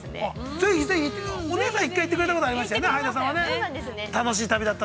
◆ぜひぜひ！お姉さん、１回行ってくれたことはありましたよね。